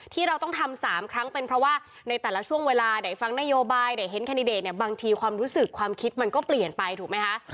ที่เราต้องทำ๓ครั้งเป็นเพราะว่าในแต่ละช่วงเวลาได้ฟังนโยบายได้เห็นแคนดิเดตเนี่ยบางทีความรู้สึกความคิดมันก็เปลี่ยนไปถูกไหมคะ